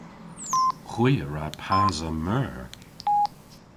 Hwi a wra pasa meur.